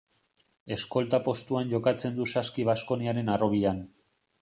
Eskolta postuan jokatzen du Saski Baskoniaren harrobian.